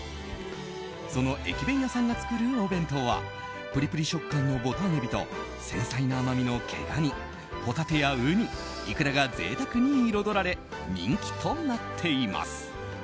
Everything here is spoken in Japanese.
その駅弁屋さんが作るお弁当はプリプリ食感のボタンエビと繊細な甘みの毛ガニホタテやウニイクラが贅沢に彩られ人気となっています。